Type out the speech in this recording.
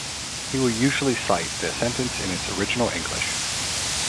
He will usually cite the sentence in its original English.